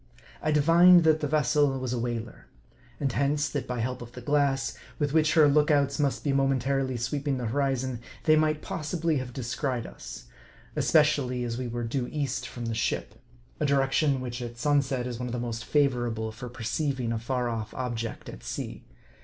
I divined that the vessel was a whaler ; and hence, that by help of the glass, with which her look outs must be mo mentarily sweeping the horizon, they might possibly have descried us ; especially, as we were due east from the ship : M A R D I. 73 a direction, which at sunset is the one most favorable for perceiving a far off object at sea.